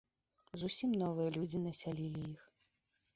Зусім новыя людзі насялілі іх.